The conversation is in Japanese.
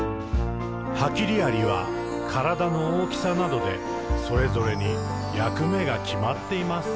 「ハキリアリはからだの大きさなどでそれぞれにやくめがきまっています。」